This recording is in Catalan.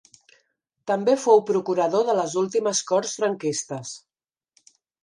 També fou procurador de les últimes Corts franquistes.